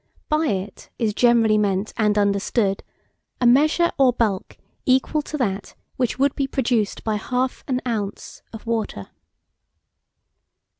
By it is generally meant and understood a measure or bulk equal to that which would be produced by half an ounce of water.